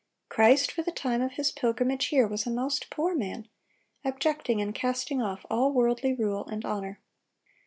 Christ, for the time of His pilgrimage here, was a most poor man, abjecting and casting off all worldly rule and honor....